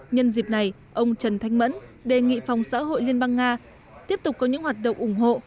nhân dịp này ông trần thanh mẫn đề nghị phòng xã hội liên bang nga tiếp tục có những hoạt động ủng hộ